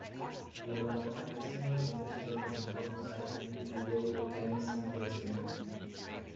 There was only a single competitor in road cycling, judo, tennis, and wrestling.